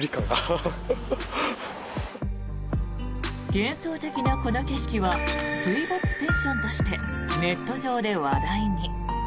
幻想的なこの景色は水没ペンションとしてネット上で話題に。